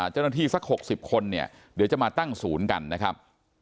เจ้าหน้าที่สัก๖๐คนเดี๋ยวจะมาตั้งศูนย์กันนะครับ